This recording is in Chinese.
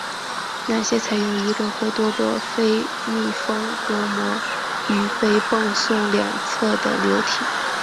那些采用一个或多个非密封隔膜与被泵送两侧的流体。